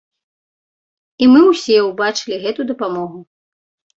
І мы ўсе ўбачылі гэту дапамогу.